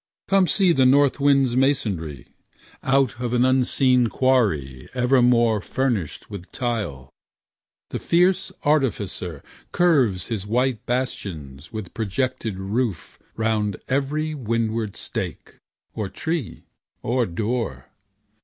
Come see the north wind's masonry. Out of an unseen quarry Furnished with tile, the fierce artificer Curves his white bastions with projected roof Round every windward stake, or tree, or door.